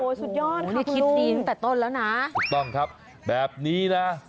โอ้โฮสุดยอดค่ะคุณลุงถูกต้องครับแบบนี้นะ